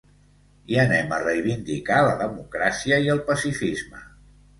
Hi anem a reivindicar la democràcia i el pacifisme.